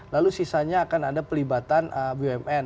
lalu sisanya akan ada pelibatan bumn